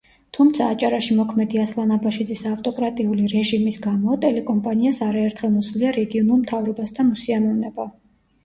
თუმცა, აჭარაში მოქმედი ასლან აბაშიძის ავტოკრატიული რეჟიმის გამო, ტელეკომპანიას არაერთხელ მოსვლია რეგიონულ მთავრობასთან უსიამოვნება.